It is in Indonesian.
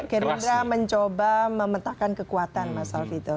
kerja mencoba memetakan kekuatan mas salvi itu